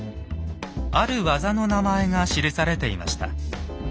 ある技の名前が記されていました。